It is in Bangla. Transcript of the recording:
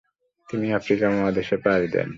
তিনি আফ্রিকা মহাদেশে পাড়ি দেন।